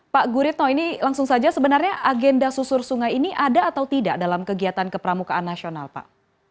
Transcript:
pak guritno ini langsung saja sebenarnya agenda susur sungai ini ada atau tidak dalam kegiatan kepramukaan nasional pak